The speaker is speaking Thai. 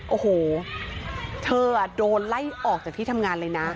โอ้โหเธอโดนไล่ออกจากที่ทำงานเลยนะ